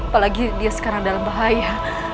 apalagi dia sekarang dalam bahaya